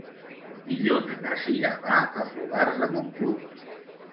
Dilluns na Cira va a Fogars de Montclús.